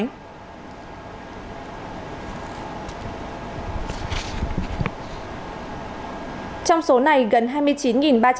năm hai nghìn hai mươi hai ngành du lịch khánh hòa phấn đấu đón hơn một hai triệu lượt khách